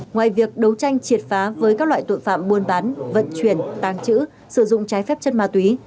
ngoài việc đấu tranh triệt phá với các loại tội phạm buôn bán vận chuyển tàng trữ sử dụng trái phép chất ma túy